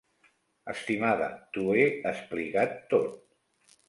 Estimada, t'ho he explicat tot.